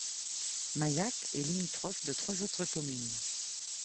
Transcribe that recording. Mayac est limitrophe de trois autres communes.